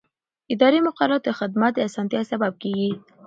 اداري مقررات د خدمت د اسانتیا سبب کېږي.